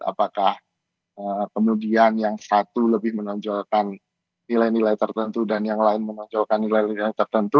apakah kemudian yang satu lebih menonjolkan nilai nilai tertentu dan yang lain menonjolkan nilai nilai tertentu